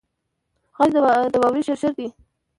غږ د واورې شرشر دی